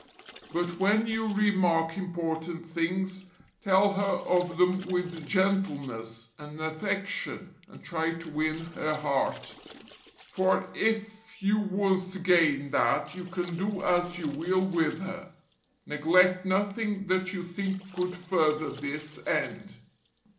But when you remark important things, tell her of them with gentleness and affection, and try to win her heart, for if you once gain that you can do as you will with her. Neglect nothing that you think could further this end.